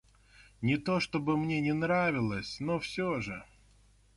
Не то что бы мне не нравилось, но всё же...